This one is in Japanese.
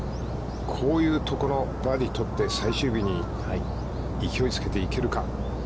こういうところのバーディーを取って、最終日に勢いをつけて行けるか。